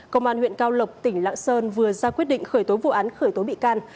công an huyện cao lộc tỉnh lạng sơn vừa ra quyết định khởi tố vụ án khởi tố bị can